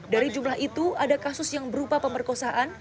dari jumlah itu ada kasus yang berupa pemerkosaan